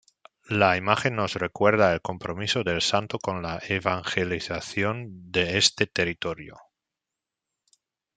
La imagen nos recuerda el compromiso del Santo con la evangelización de este territorio.